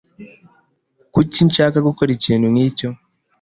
Kuki nshaka gukora ikintu nkicyo?